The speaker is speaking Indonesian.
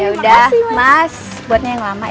yaudah mas buatnya yang lama ya